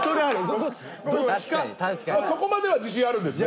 そこまでは自信あるんでしょ？